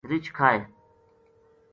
رِچھ کھائے